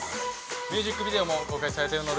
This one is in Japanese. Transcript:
ミュージックビデオも公開されています。